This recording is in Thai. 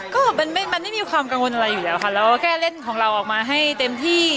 ก็มันไม่มีความกังวลอะไรอยู่แล้วค่ะแล้วก็แค่เล่นของเราออกมาให้เต็มที่